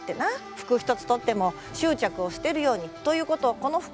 服一つとっても執着を捨てるようにということをこの服で表しておる。